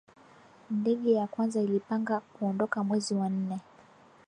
ndege ya kwanza ilipanga kuondoka mwezi wa nne